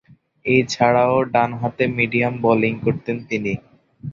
এছাড়াও, ডানহাতে medium bowling করতেন তিনি।